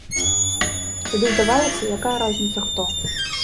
Тады здавалася, якая розніца хто?